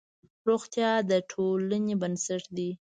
روغتیا د ټولنې بنسټ دی.